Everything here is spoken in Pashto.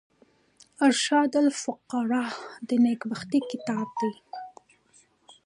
ارشاد الفقراء نېکبختي کتاب دﺉ.